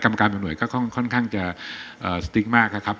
กรรมการเป็นหน่วยก็ค่อนข้างจะสติกมากครับครับ